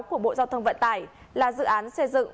của bộ giao thông vận tải là dự án xây dựng